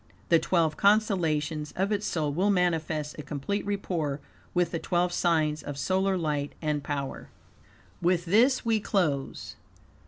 The twelve constellations of its soul will manifest a complete rapport with the twelve signs of solar light and power. With this we close.